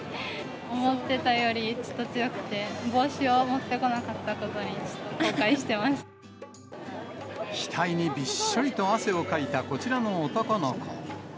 思ってたよりちょっと強くて、帽子を持ってこなかったことに、額にびっしょりと汗をかいたこちらの男の子。